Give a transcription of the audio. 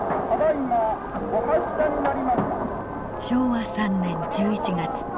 昭和３年１１月。